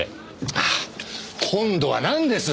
ああ今度はなんです？